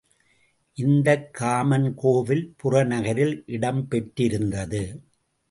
இந்தக் காமன் கோவில் புறநகரில் இடம் பெற்றிருந்தது.